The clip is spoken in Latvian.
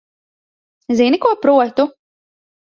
Zini, ko protu?